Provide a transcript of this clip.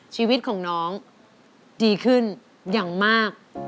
ชีวิตของน้องดีขึ้นอย่างมาก